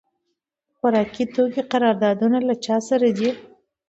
د خوراکي توکو قراردادونه له چا سره دي؟